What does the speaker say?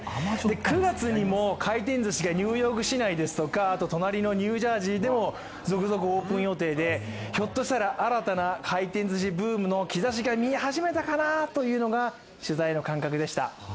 ９月にも回転ずしがニューヨーク市内とか隣のニュージャージーでも続々オープン予定でひょっとしたら新たな回転ずしブームの兆しが見え始めたかなという取材の感覚でした、